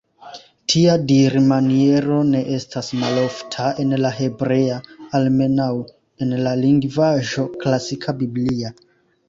Tia dirmaniero ne estas malofta en la hebrea, almenaŭ en la lingvaĵo klasika, biblia.